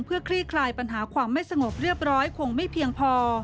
เพื่อคลี่คลายปัญหาความไม่สงบเรียบร้อยคงไม่เพียงพอ